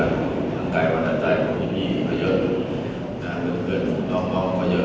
ทันใกล่ะก็ประทัดใจที่กูมาต้องพอเยอะ